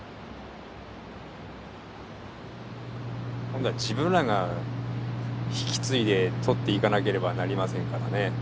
今度は自分らが引き継いで獲っていかなければなりませんからね。